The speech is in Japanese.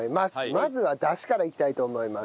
まずはダシからいきたいと思います。